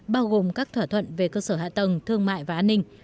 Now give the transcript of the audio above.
bao gồm các thỏa thuận về cơ sở hạ tầng thương mại và an ninh